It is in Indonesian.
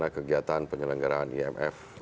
kegiatan penyelenggaraan imf